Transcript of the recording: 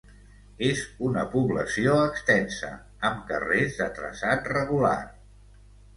És una població extensa, amb carrers de traçat regular.